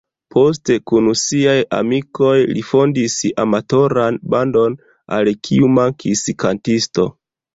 Poste, kun siaj amikoj, li fondis amatoran bandon, al kiu mankis kantisto.